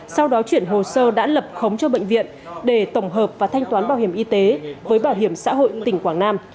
sau đó chuyển hồ sơ đã lập khống cho bệnh viện để tổng hợp và thanh toán bảo hiểm y tế với bảo hiểm xã hội tỉnh quảng nam